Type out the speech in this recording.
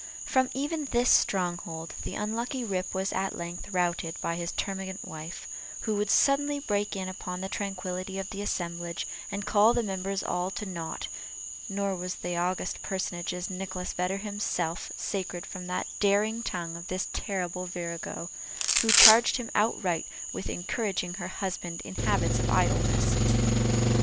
From even this stronghold the unlucky Rip was at length routed by his termagant wife, who would suddenly break in upon the tranquillity of the assemblage, and call the members all to nought; nor was that august personage, Nicholas Vedder himself, sacred from the daring tongue of this terrible virago, who charged him outright with encouraging her husband in habits of idleness.